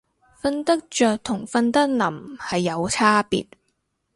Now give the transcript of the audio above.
瞓得着同瞓得稔係有差別